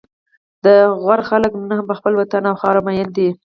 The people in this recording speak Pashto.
د غور خلک نن هم په خپل وطن او خاوره مین دي